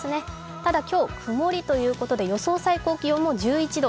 ただ今日、曇りということで予想最高気温も１１度。